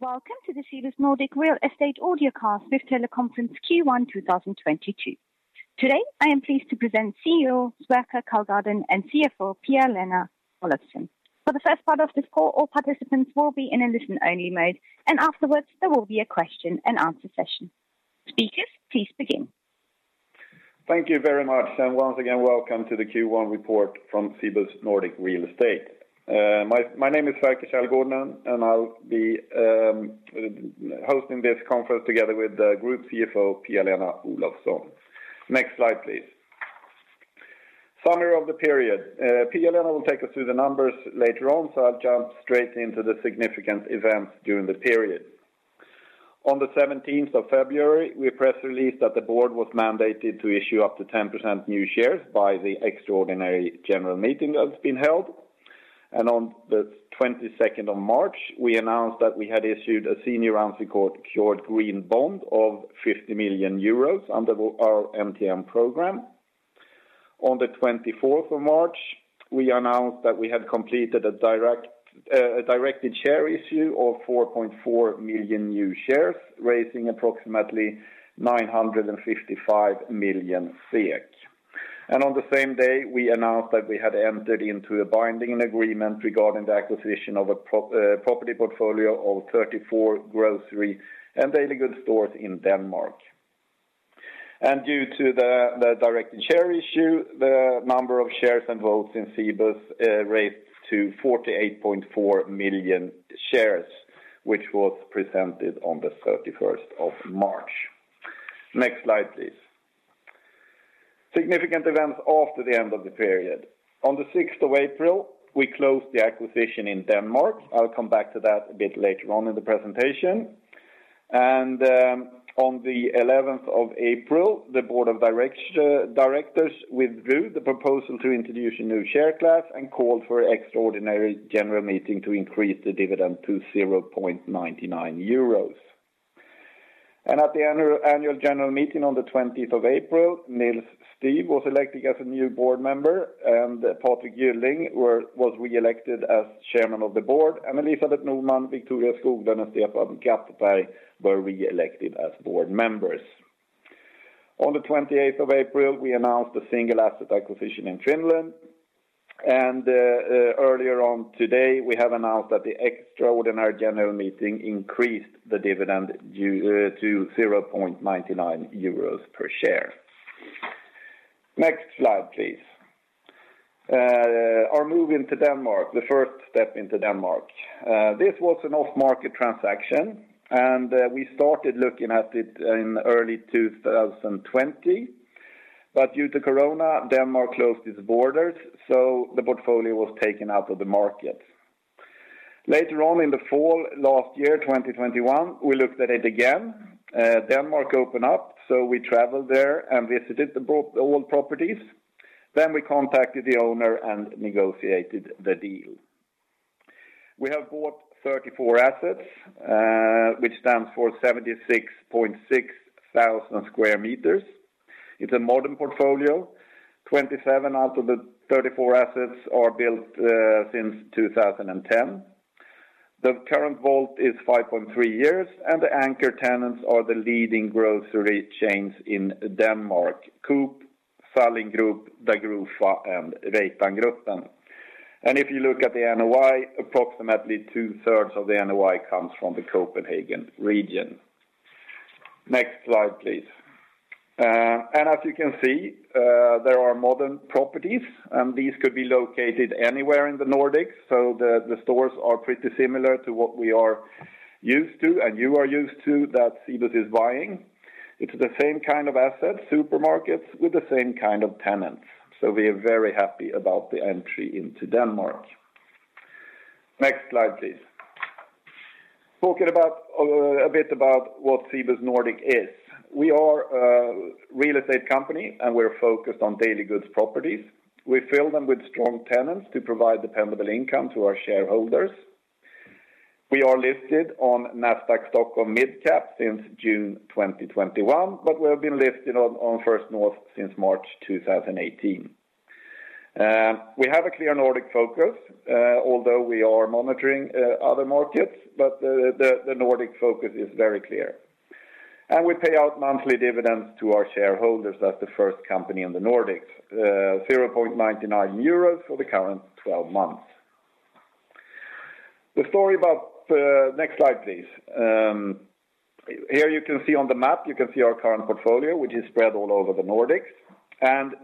Welcome to the Cibus Nordic Real Estate Audio Cast with Teleconference Q1 2022. Today, I am pleased to present CEO Sverker Källgården and CFO Pia-Lena Olofsson. For the first part of this call, all participants will be in a listen-only mode, and afterwards, there will be a question and answer session. Speakers, please begin. Thank you very much. Once again, welcome to the Q1 report from Cibus Nordic Real Estate. My name is Sverker Källgården, and I'll be hosting this conference together with the group CFO, Pia-Lena Olofsson. Next slide, please. Summary of the period. Pia-Lena will take us through the numbers later on, so I'll jump straight into the significant events during the period. On the seventeenth of February, we press released that the board was mandated to issue up to 10% new shares by the extraordinary general meeting that's been held. On the March 22, we announced that we had issued a senior unsecured green bond of 50 million euros under our MTN program. On the March 24th, we announced that we had completed a directed share issue of 44 million new shares, raising approximately 955 million SEK. On the same day, we announced that we had entered into a binding agreement regarding the acquisition of a property portfolio of 34 grocery and daily goods stores in Denmark. Due to the directed share issue, the number of shares and votes in Cibus raised to 48.4 million shares, which was presented on the March 31. Next slide, please. Significant events after the end of the period. On the April 6th, we closed the acquisition in Denmark. I'll come back to that a bit later on in the presentation. On the April 11th, the board of directors withdrew the proposal to introduce a new share class and called for extraordinary general meeting to increase the dividend to 0.99 euros. At the annual general meeting on the April 20th, Nils Styf was elected as a new board member, and Patrick Gylling was reelected as chairman of the board. Elisabeth Norman, Victoria Skoglund, and Stefan Gattberg were reelected as board members. On the April 28th, we announced a single asset acquisition in Finland. Earlier on today, we have announced that the extraordinary general meeting increased the dividend to 0.99 euros per share. Next slide, please. Our move into Denmark, the first step into Denmark. This was an off-market transaction, and we started looking at it in early 2020. Due to Corona, Denmark closed its borders, so the portfolio was taken out of the market. Later on in the fall last year, 2021, we looked at it again. Denmark opened up, so we traveled there and visited all properties. We contacted the owner and negotiated the deal. We have bought 34 assets, which stands for 76,600 square meters. It's a modern portfolio. Twenty-seven out of the 34 assets are built since 2010. The current WAULT is 5.3 years, and the anchor tenants are the leading grocery chains in Denmark: Coop, Salling Group, Dagrofa, and Reitan. If you look at the NOI, approximately two-thirds of the NOI comes from the Copenhagen region. Next slide, please. As you can see, there are modern properties, and these could be located anywhere in the Nordics. The stores are pretty similar to what we are used to, and you are used to that Cibus Nordic Real Estate is buying. It's the same kind of asset, supermarkets, with the same kind of tenants. We are very happy about the entry into Denmark. Next slide, please. Talking about a bit about what Cibus Nordic Real Estate is. We are a real estate company, and we're focused on daily goods properties. We fill them with strong tenants to provide dependable income to our shareholders. We are listed on Nasdaq Stockholm Mid Cap since June 2021, but we have been listed on Nasdaq First North since March 2018. We have a clear Nordic focus, although we are monitoring other markets, but the Nordic focus is very clear. We pay out monthly dividends to our shareholders as the first company in the Nordics, 0.99 euros for the current 12 months. The story about. Next slide, please. Here you can see on the map, you can see our current portfolio, which is spread all over the Nordics.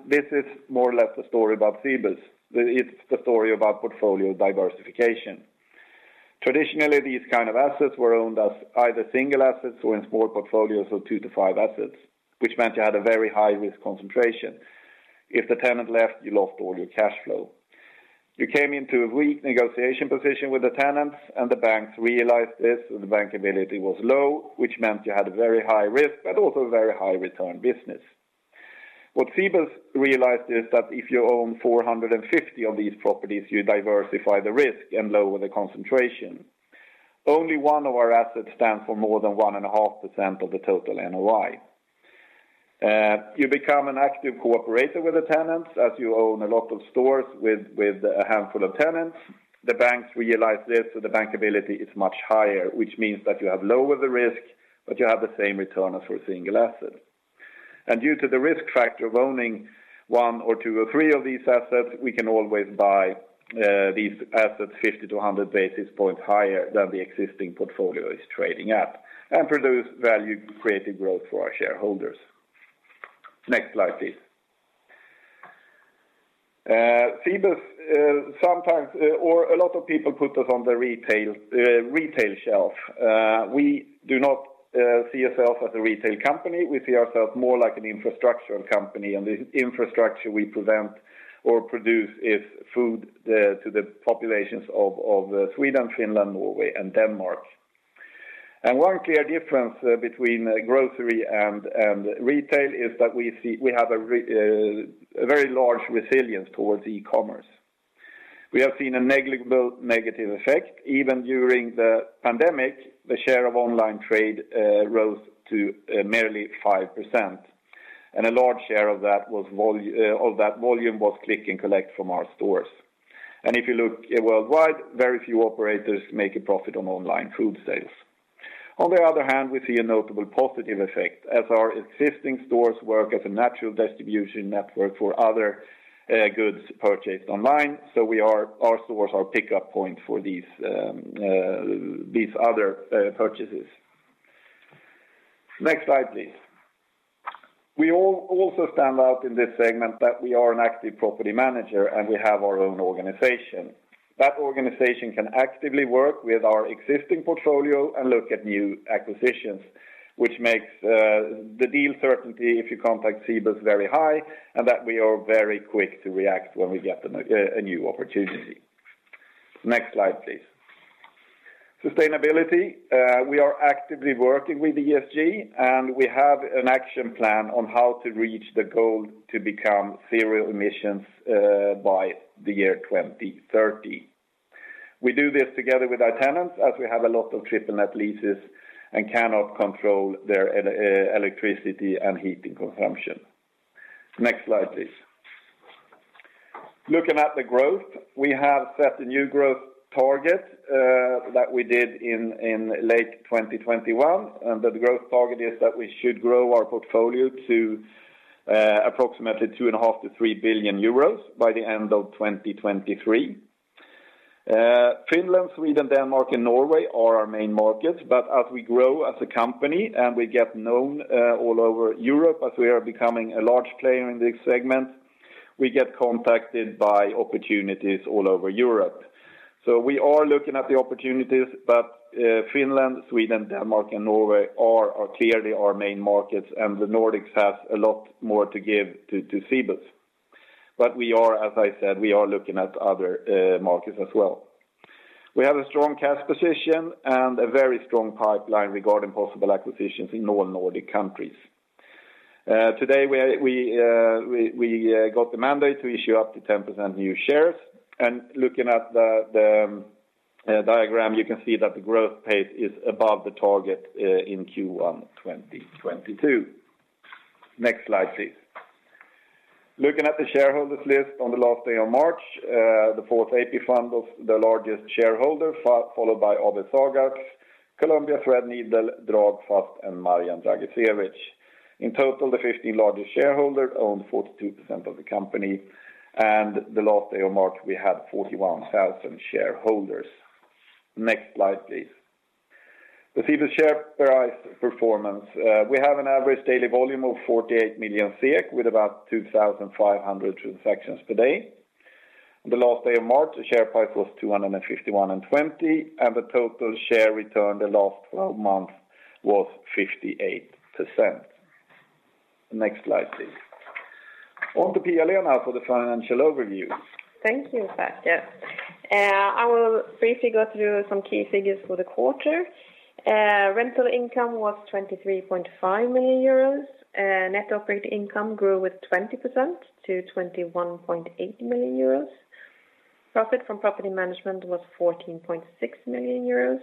This is more or less the story about Cibus. It's the story about portfolio diversification. Traditionally, these kind of assets were owned as either single assets or in small portfolios of two to five assets, which meant you had a very high-risk concentration. If the tenant left, you lost all your cash flow. You came into a weak negotiation position with the tenants, and the banks realized this, and the bankability was low, which meant you had a very high risk, but also a very high return business. What Cibus realized is that if you own 450 of these properties, you diversify the risk and lower the concentration. Only one of our assets stands for more than 1.5% of the total NOI. You become an active cooperator with the tenants as you own a lot of stores with a handful of tenants. The banks realize this, so the bankability is much higher, which means that you have lower the risk, but you have the same return as for a single asset. Due to the risk factor of owning one or two or three of these assets, we can always buy these assets 50-100 basis points higher than the existing portfolio is trading at, and produce value creative growth for our shareholders. Next slide, please. Cibus, sometimes or a lot of people put us on the retail shelf. We do not see ourself as a retail company. We see ourselves more like an infrastructural company, and the infrastructure we present or produce is food to the populations of Sweden, Finland, Norway, and Denmark. One clear difference between grocery and retail is that we have a very large resilience towards e-commerce. We have seen a negligible negative effect. Even during the pandemic, the share of online trade rose to merely 5%, and a large share of that volume was click and collect from our stores. If you look worldwide, very few operators make a profit on online food sales. On the other hand, we see a notable positive effect as our existing stores work as a natural distribution network for other goods purchased online. Our stores are pickup point for these other purchases. Next slide, please. We also stand out in this segment that we are an active property manager, and we have our own organization. That organization can actively work with our existing portfolio and look at new acquisitions, which makes the deal certainty if you contact Cibus very high, and that we are very quick to react when we get a new opportunity. Next slide, please. Sustainability, we are actively working with ESG, and we have an action plan on how to reach the goal to become zero emissions by the year 2030. We do this together with our tenants, as we have a lot of triple net leases and cannot control their electricity and heating consumption. Next slide, please. Looking at the growth, we have set a new growth target that we did in late 2021, and the growth target is that we should grow our portfolio to approximately 2.5 billion-3 billion euros by the end of 2023. Finland, Sweden, Denmark, and Norway are our main markets, but as we grow as a company and we get known all over Europe as we are becoming a large player in this segment, we get contacted by opportunities all over Europe. We are looking at the opportunities, but Finland, Sweden, Denmark, and Norway are clearly our main markets, and the Nordics has a lot more to give to Cibus. We are, as I said, looking at other markets as well. We have a strong cash position and a very strong pipeline regarding possible acquisitions in all Nordic countries. Today, we got the mandate to issue up to 10% new shares. Looking at the diagram, you can see that the growth pace is above the target in Q1 2022. Next slide, please. Looking at the shareholders list on the last day of March, the Fjärde AP-fonden was the largest shareholder, followed by Alecta, Sagax, Columbia Threadneedle Investments, Dragfast, and Marjan Dragicevic. In total, the 15 largest shareholders owned 42% of the company, and the last day of March, we had 41,000 shareholders. Next slide, please. The Cibus share price performance. We have an average daily volume of 48 million with about 2,500 transactions per day. The last day of March, the share price was 251.20, and the total share return the last 12 months was 58%. Next slide, please. On to Pia-Lena Olofsson now for the financial overview. Thank you, Sverker. I will briefly go through some key figures for the quarter. Rental income was 23.5 million euros. Net operating income grew with 20% to 21.8 million euros. Profit from property management was 14.6 million euros,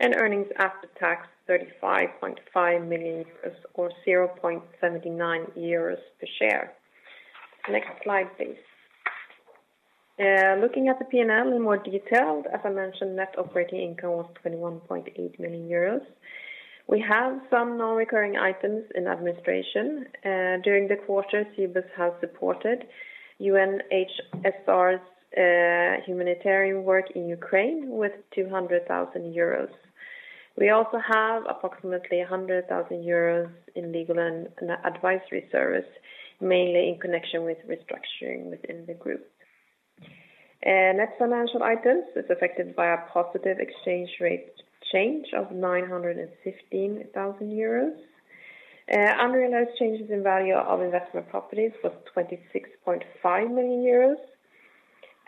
and earnings after tax 35.5 million euros or 0.79 euros per share. Next slide, please. Looking at the P&L in more detail, as I mentioned, net operating income was 21.8 million euros. We have some non-recurring items in administration. During the quarter, Cibus has supported UNHCR's humanitarian work in Ukraine with 200 thousand euros. We also have approximately 100 thousand euros in legal and advisory service, mainly in connection with restructuring within the group. Net financial items is affected by a positive exchange rate change of 915 thousand euros. Unrealized changes in value of investment properties was 26.5 million euros,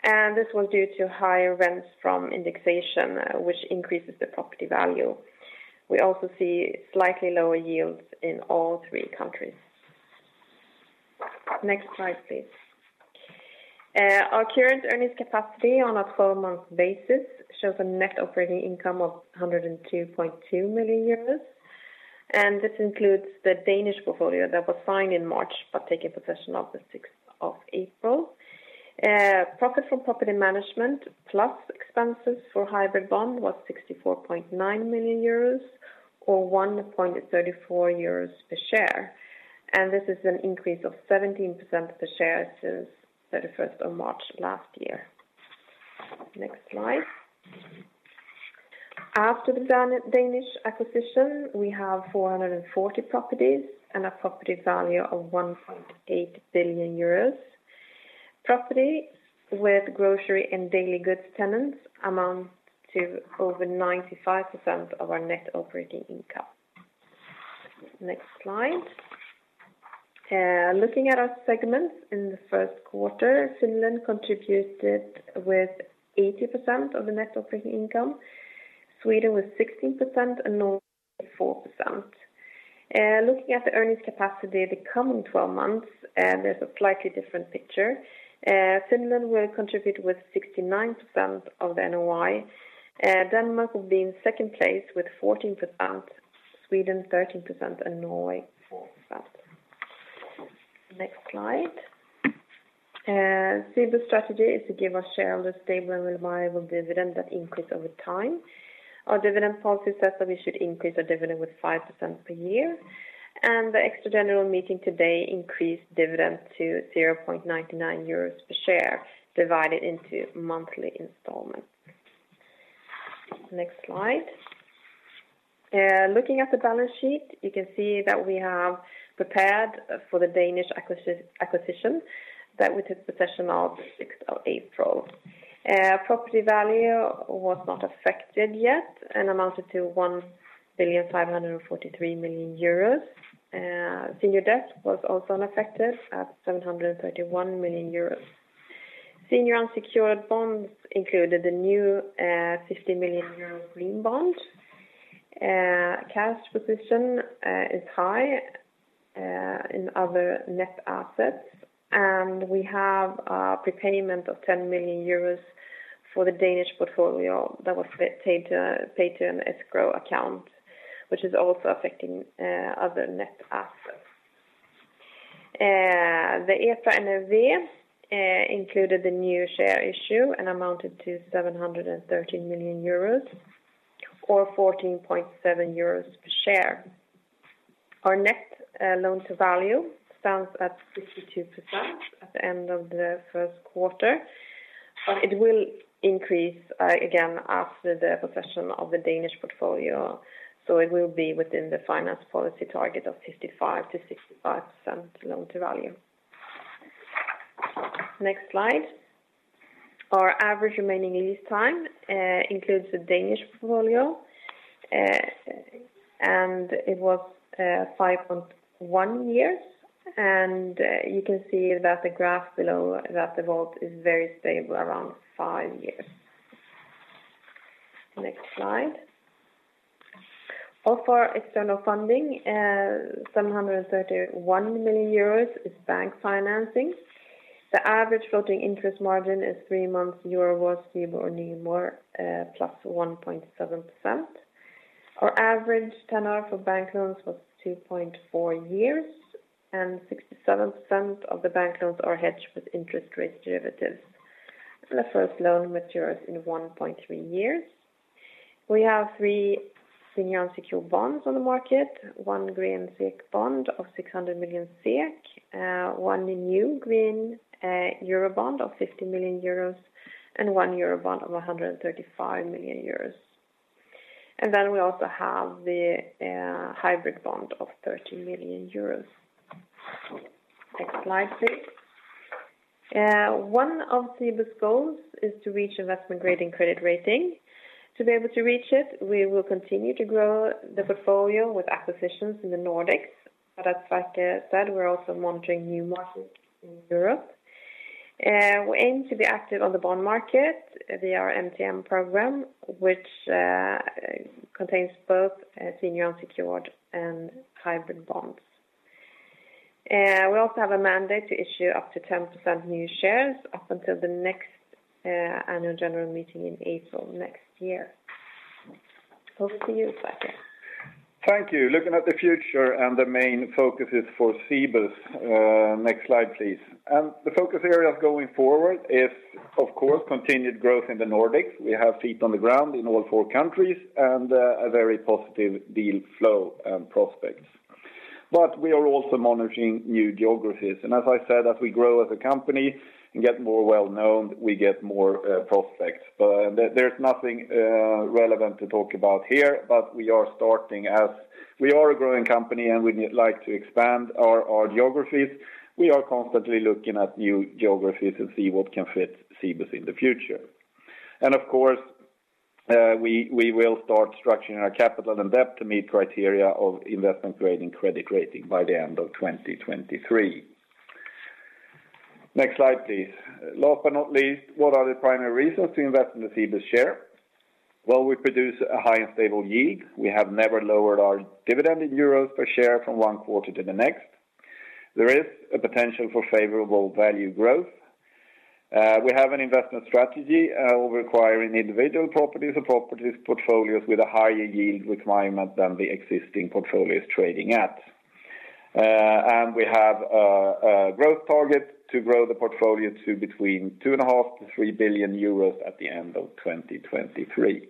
and this was due to higher rents from indexation, which increases the property value. We also see slightly lower yields in all three countries. Next slide, please. Our current earnings capacity on a 12-month basis shows a net operating income of 102.2 million euros. This includes the Danish portfolio that was signed in March, but taking possession of the April 6th. Profit from property management plus expenses for hybrid bond was 64.9 million euros or 1.34 euros per share. This is an increase of 17% per share since March 31 last year. Next slide. After the Danish acquisition, we have 440 properties and a property value of 1.8 billion euros. Properties with grocery and daily goods tenants amount to over 95% of our net operating income. Next slide. Looking at our segments in the Q1, Finland contributed with 80% of the net operating income, Sweden with 16%, and Norway with 4%. Looking at the earnings capacity the coming twelve months, there's a slightly different picture. Finland will contribute with 69% of the NOI. Denmark will be in second place with 14%, Sweden 13%, and Norway 4%. Next slide. Cibus strategy is to give our shareholders stable and reliable dividend that increase over time. Our dividend policy says that we should increase our dividend with 5% per year, and the extra general meeting today increased dividend to 0.99 euros per share, divided into monthly installments. Next slide. Looking at the balance sheet, you can see that we have prepared for the Danish acquisition that we took possession of the April 6th. Property value was not affected yet and amounted to 1,543 million euros. Senior debt was also unaffected at 731 million euros. Senior unsecured bonds included the new 50 million euro green bond. Cash position is high in other net assets. We have a prepayment of 10 million euros for the Danish portfolio that was paid to an escrow account, which is also affecting other net assets. The EPRA NRV included the new share issue and amounted to 713 million euros or 14.7 euros per share. Our net loan-to-value stands at 52% at the end of the Q1, but it will increase again after the possession of the Danish portfolio. So it will be within the finance policy target of 55% to 65% loan-to-value. Next slide. Our average remaining lease time includes the Danish portfolio. And it was 5.1 years. And you can see that the graph below that is very stable around five years. Next slide. Of our external funding, 731 million euros is bank financing. The average floating interest margin is three months EURIBOR, STIBOR or NIBOR plus 1.7%. Our average tenor of bank loans was 2.4 years and 67% of the bank loans are hedged with interest rate derivatives. The first loan matures in 1.3 years. We have three senior unsecured bonds on the market, one green SEK bond of 600 million SEK, one in new green Eurobond of 50 million euros and one Eurobond bond of 135 million euros. And then we also have the hybrid bond of 30 million euros. Next slide, please. One of Cibus goals is to reach investment grade credit rating. To be able to reach it, we will continue to grow the portfolio with acquisitions in the Nordics. But as said, we're also monitoring new markets in Europe. We aim to be active on the bond market via our MTM program, which contains both senior unsecured and hybrid bonds. We also have a mandate to issue up to 10% new shares up until the next Annual General Meeting in April next year. Over to you, Sverker. Thank you. Looking at the future and the main focuses for Cibus. Next slide, please. The focus area going forward is, of course, continued growth in the Nordics. We have feet on the ground in all four countries and a very positive deal flow and prospects. But we are also monitoring new geographies. As I said, as we grow as a company and get more well-known, we get more prospects. But there's nothing relevant to talk about here. But we are starting as we are a growing company, and we'd like to expand our geographies. We are constantly looking at new geographies and see what can fit Cibus in the future. Of course, we will start structuring our capital and debt to meet criteria of investment-grade credit rating by the end of 2023. Next slide, please. Last but not least, what are the primary reasons to invest in the Cibus share? Well, we produce a high and stable yield. We have never lowered our dividend in euros per share from one quarter to the next. There is a potential for favorable value growth. We have an investment strategy over acquiring individual properties or properties portfolios with a higher yield requirement than the existing portfolios trading at. We have a growth target to grow the portfolio to between 2.5 and 3 billion euros at the end of 2023.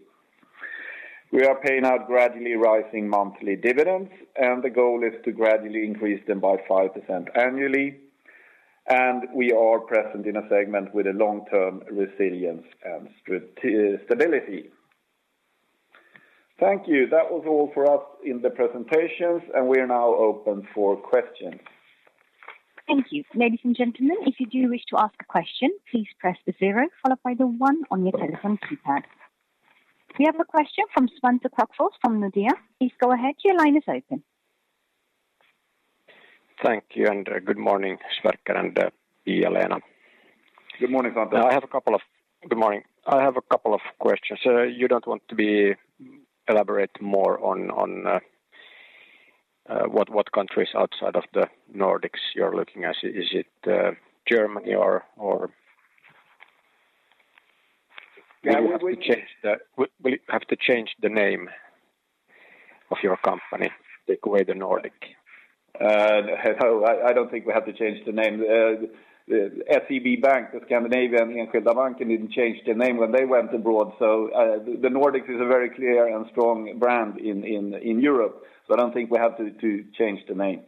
We are paying out gradually rising monthly dividends, and the goal is to gradually increase them by 5% annually. We are present in a segment with a long-term resilience and stability. Thank you. That was all for us in the presentations, and we are now open for questions. Thank you. Ladies and gentlemen, if you do wish to ask a question, please press the zero followed by the one on your telephone keypad. We have a question from Svante Persson from Nordea. Please go ahead. Your line is open. Thank you and good morning, Sverker and Pia-Lena. Good morning, Svante. Good morning. I have a couple of questions. You don't want to elaborate more on what countries outside of the Nordics you're looking at. Is it Germany or Yeah. Will you have to change the name of your company, take away the Nordic? No, I don't think we have to change the name. The Skandinaviska Enskilda Banken didn't change their name when they went abroad, so the Nordics is a very clear and strong brand in Europe, so I don't think we have to change the name.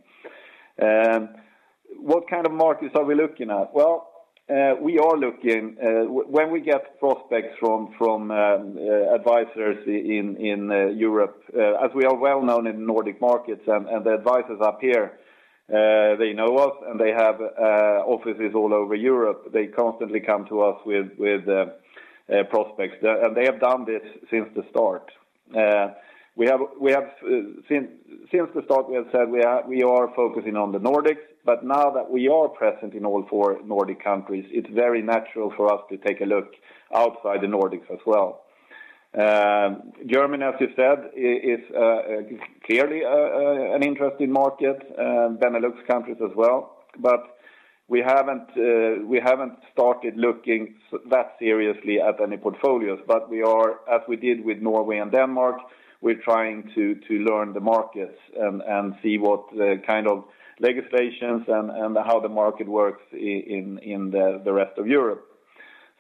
What kind of markets are we looking at? Well, we are looking when we get prospects from advisors in Europe, as we are well-known in Nordic markets and the advisors up here they know us and they have offices all over Europe. They constantly come to us with prospects. They have done this since the start. We have since the start said we are focusing on the Nordics, but now that we are present in all four Nordic countries, it's very natural for us to take a look outside the Nordics as well. Germany, as you said, is clearly an interesting market, Benelux countries as well. We haven't started looking that seriously at any portfolios. We are, as we did with Norway and Denmark, trying to learn the markets and see what kind of legislations and how the market works in the rest of Europe.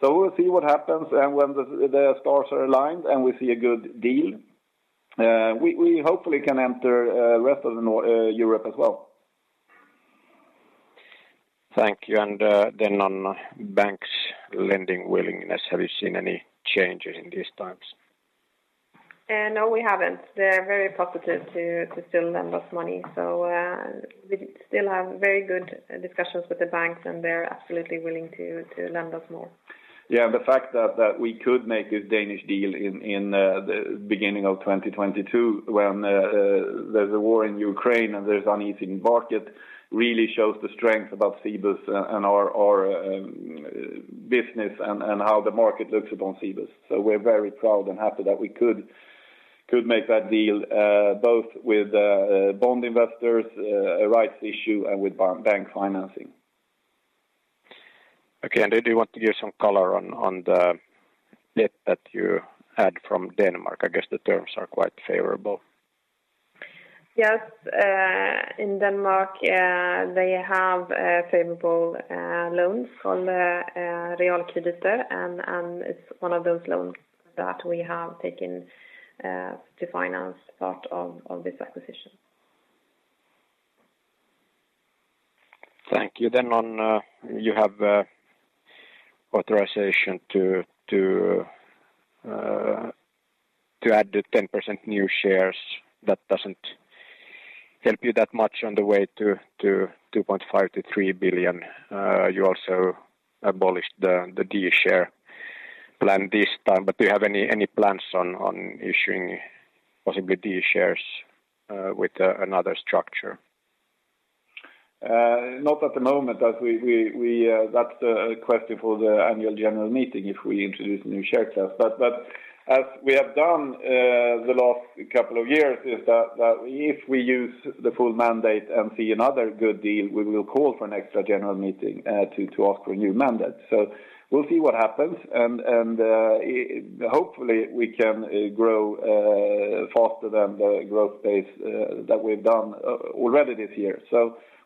We'll see what happens and when the stars are aligned and we see a good deal, we hopefully can enter the rest of Europe as well. Thank you. On banks' lending willingness, have you seen any changes in these times? No, we haven't. They're very positive to still lend us money. We still have very good discussions with the banks, and they're absolutely willing to lend us more. Yeah. The fact that we could make a Danish deal in the beginning of 2022 when there's a war in Ukraine and there's unease in market really shows the strength about Cibus and our business and how the market looks upon Cibus. We're very proud and happy that we could make that deal both with bond investors, a rights issue, and with bank financing. Okay. Did you want to give some color on the debt that you had from Denmark? I guess the terms are quite favorable. Yes. In Denmark, they have favorable loans called Realkredit, and it's one of those loans that we have taken to finance part of this acquisition. Thank you. On you have authorization to add the 10% new shares. That doesn't help you that much on the way to 2.5 billion-3 billion. You also abolished the D share plan this time. Do you have any plans on issuing possibly D shares with another structure? Not at the moment. That's the question for the annual general meeting if we introduce new share class. As we have done the last couple of years is that if we use the full mandate and see another good deal, we will call for an extra general meeting to ask for a new mandate. We'll see what happens. Hopefully we can grow faster than the growth pace that we've done already this year.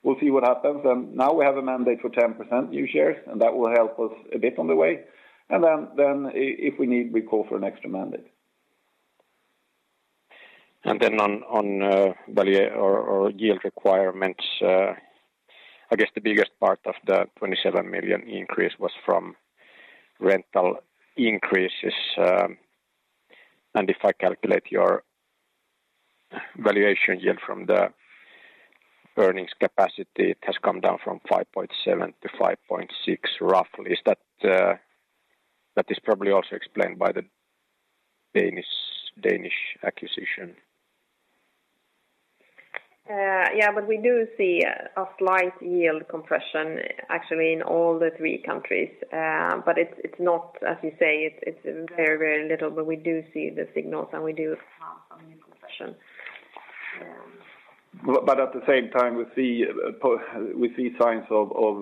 We'll see what happens. Now we have a mandate for 10% new shares, and that will help us a bit on the way. Then if we need, we call for an extra mandate. On value or yield requirements, I guess the biggest part of the 27 million increase was from rental increases. If I calculate your valuation yield from the earnings capacity, it has come down from 5.7% to 5.6%, roughly. Is that probably also explained by the Danish acquisition? Yeah, we do see a slight yield compression actually in all the three countries. It's not as you say, it's very, very little, but we do see the signals, and we do have some yield compression. At the same time, we see signs of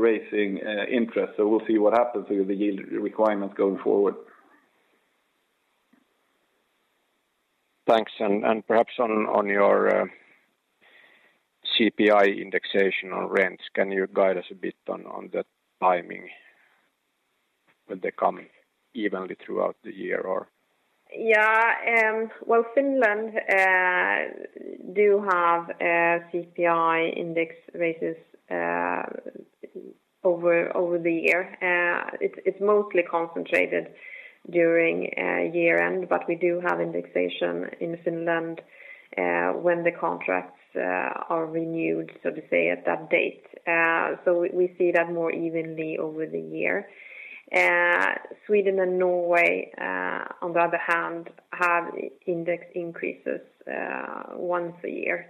rising interest. We'll see what happens with the yield requirements going forward. Thanks. Perhaps on your CPI indexation on rents, can you guide us a bit on the timing? Will they come evenly throughout the year or? Well, Finland do have a CPI index raises over the year. It's mostly concentrated during year-end, but we do have indexation in Finland when the contracts are renewed, so to say, at that date. We see that more evenly over the year. Sweden and Norway, on the other hand, have index increases once a year.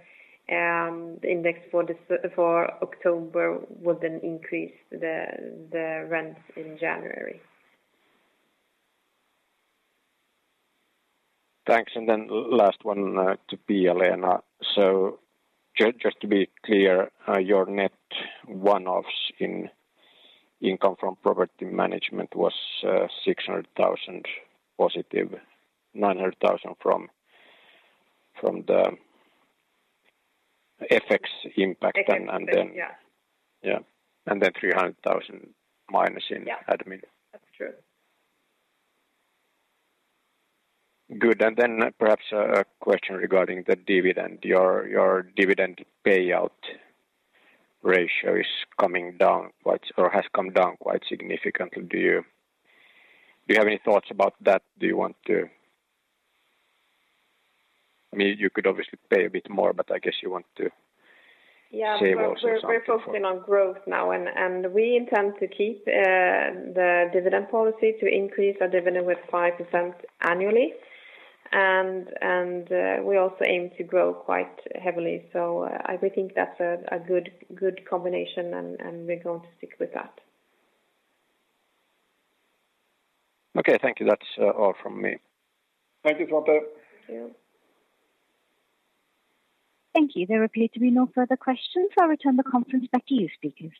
The index for October would then increase the rents in January. Thanks. Last one to Pia-Lena. Just to be clear, your net one-offs in income from property management was 600,000 positive, 900,000 from the FX impact. Yeah. 300 thousand minus in admin. Yeah. That's true. Good. Perhaps a question regarding the dividend. Your dividend payout ratio has come down quite significantly. Do you have any thoughts about that? Do you want to? I mean, you could obviously pay a bit more, but I guess you want to save also something for Yeah. We're focusing on growth now, and we intend to keep the dividend policy to increase our dividend with 5% annually. We also aim to grow quite heavily. I think that's a good combination, and we're going to stick with that. Okay. Thank you. That's all from me. Thank you, Svante. Thank you. Thank you. There appear to be no further questions. I'll return the conference back to you, speakers.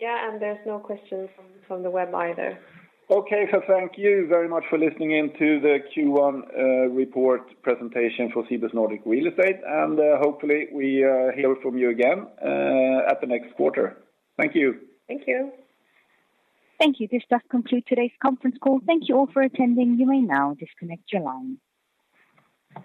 Yeah. There's no questions from the web either. Okay. Thank you very much for listening in to the Q1 report presentation for Cibus Nordic Real Estate. Hopefully we hear from you again at the next quarter. Thank you. Thank you. Thank you. This does conclude today's conference call. Thank you all for attending. You may now disconnect your line.